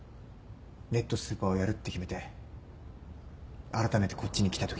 ネットスーパーをやるって決めてあらためてこっちに来たときのこと。